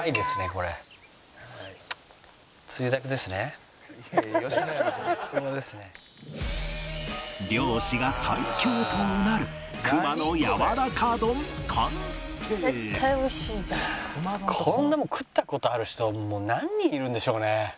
こんなもん食った事ある人何人いるんでしょうね？